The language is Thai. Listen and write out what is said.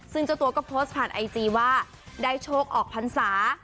ซึ่งเจ้าตัวก็โพสต์ผ่านไอจีว่าได้โชคออกพรรษา